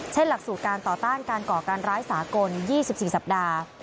หลักสูตรการต่อต้านการก่อการร้ายสากล๒๔สัปดาห์